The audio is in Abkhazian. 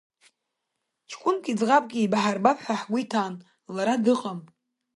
Ҷкәынаки ӡӷабки еибаҳарбап ҳәа ҳгәы иҭан, лара дыҟам.